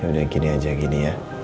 udah gini aja gini ya